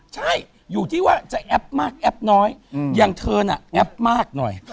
ใช่อยู่ที่ว่าจะแอปมากแอปน้อยอย่างเธอน่ะแอปมากหน่อย